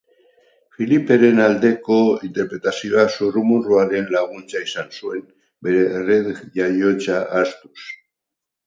Filiperen aldeko interpretazioak zurrumurruaren laguntza izan zuen, bere erret-jaiotza ahaztuz.